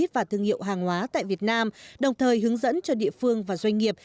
và thương hiệu hàng hóa tại việt nam đồng thời hướng dẫn cho địa phương và doanh nghiệp